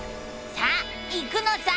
さあ行くのさ！